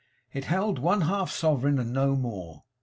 It held one half sovereign and no more.